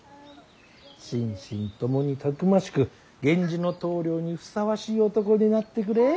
心身ともにたくましく源氏の棟梁にふさわしい男になってくれ。